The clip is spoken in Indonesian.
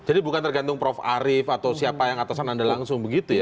jadi bukan tergantung prof arief atau siapa yang atasan anda langsung begitu ya